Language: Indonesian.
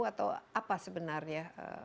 atau apa sebenarnya